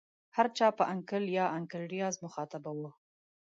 هر چا په انکل یا انکل ریاض مخاطبه وه.